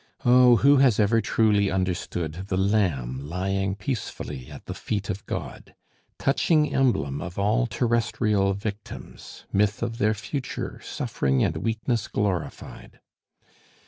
Oh! who has ever truly understood the lamb lying peacefully at the feet of God? touching emblem of all terrestrial victims, myth of their future, suffering and weakness glorified!